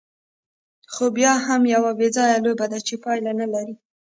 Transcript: خو بیا هم یوه بېځایه لوبه ده، چې پایله نه لري.